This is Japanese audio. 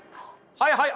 はいはい。